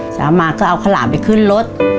เช้ามาก็เอาข้าวหลามไปขึ้นรถ